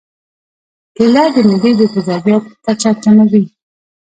کېله د معدې د تیزابیت کچه کموي.